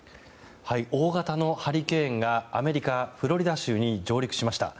大型のハリケーンがアメリカ・フロリダ州に上陸しました。